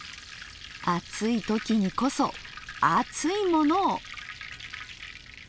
暑い時にこそ熱いものを！